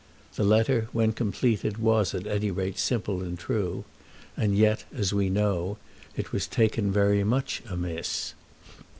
The letter when completed was at any rate simple and true; and yet, as we know, it was taken very much amiss.